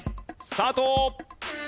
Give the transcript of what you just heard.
スタート！